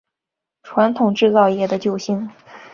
传统制造业的救星